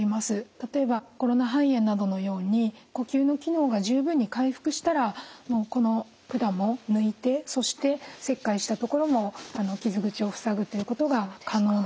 例えばコロナ肺炎などのように呼吸の機能が十分に回復したらこの管も抜いてそして切開した所も傷口を塞ぐということが可能です。